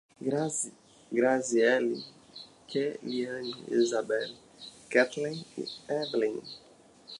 Grazieli, Keliane, Izabele, Ketlen e Evilin